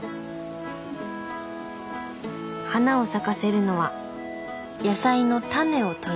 花を咲かせるのは野菜の「タネ」をとるため。